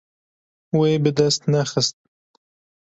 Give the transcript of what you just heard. Wê bi dest nexist.